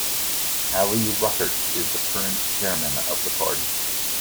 Ali Ruckert is the current chairman of the party.